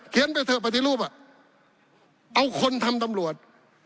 เขียนไปเถอะปฏิรูปเอาคนทำตำรวจ